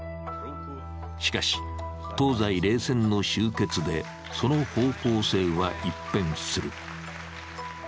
しかし、東西冷戦の終結で、その方向性は一変する。